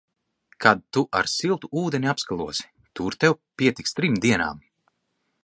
Kad tu ar siltu ūdeni apskalosi, tur tev pietiks trim dienām.